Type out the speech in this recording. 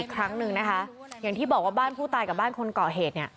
ครั้งหนึ่งนะคะอย่างที่บอกว่าบ้านผู้ตายกับบ้านคนเกาะเหตุเนี่ย